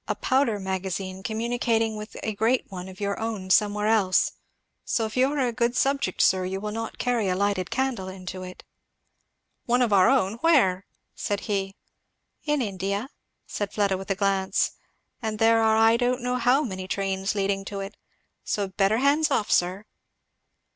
"A powder magazine, communicating with a great one of your own somewhere else; so if you are a good subject, sir, you will not carry a lighted candle into it." "One of our own where?" said he. "In India," said Fleda with a glance, "and there are I don't know how many trains leading to it, so better hands off, sir."